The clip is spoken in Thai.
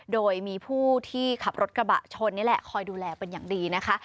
โดยมีผู้ที่ขับรถกระบะชนนี่แหละคอยดูแลเป็นอย่างดีนะคะ